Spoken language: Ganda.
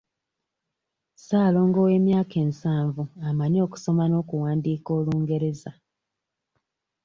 Ssaalongo ow'emyaka ensavu amanyi okusoma n'okuwandiika Olungereza.